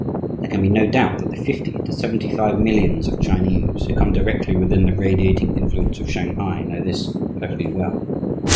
There can be no doubt that the fifty to seventy five millions of Chinese who come directly within the radiating influence of Shanghai know this perfectly well.